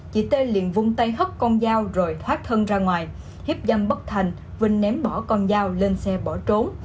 chị tê liền vung tay hất con dao rồi thoát thân ra ngoài hiếp dâm bất thành vinh ném bỏ con dao lên xe bỏ trốn